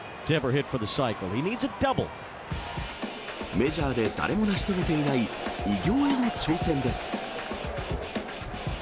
メジャーで誰も成し遂げていない、偉業への挑戦です。